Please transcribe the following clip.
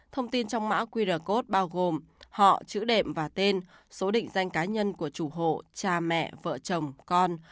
thông tin trong mã qr code bao gồm họ chữ đệm và tên số định danh cá nhân của chủ hộ cha mẹ vợ chồng con